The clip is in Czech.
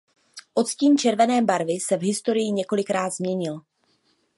Odstín červené barvy se v historii několikrát změnil.